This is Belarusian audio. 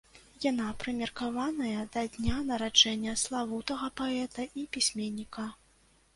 Яна прымеркаваная да дня нараджэння славутага паэта і пісьменніка.